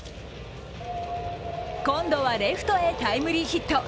今度はレフトへタイムリーヒット。